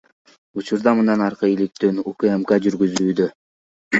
Учурда мындан аркы иликтөөнү УКМК жүргүзүүдө.